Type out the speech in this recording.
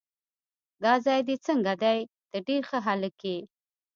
دا ځای دې څنګه دی؟ ته ډېر ښه هلک یې.